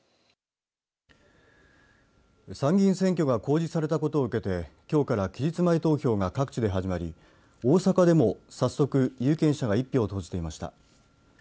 参議院選挙が公示されたことを受けてきょうから期日前投票が各地で始まり大阪でも早速有権者が１票を投じていました。